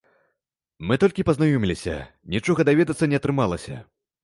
Мы толькі пазнаёміліся, нічога даведацца не атрымалася.